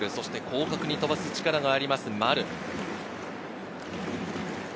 広角に飛ばす力があります、丸。